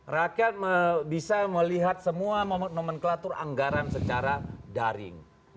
rakyat bisa melihat semua nomenklatur anggaran secara daring